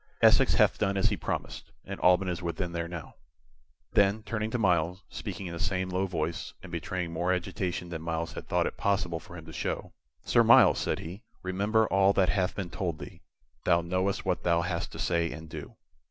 "Essex hath done as he promised, and Alban is within there now." Then, turning to Myles, speaking in the same low voice, and betraying more agitation than Myles had thought it possible for him to show, "Sir Myles," said he, "remember all that hath been told thee. Thou knowest what thou hast to say and do."